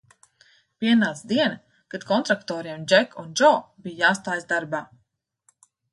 "Pienāca diena, kad kontraktoriem "Džek un Džo" bija jāstājas darbā."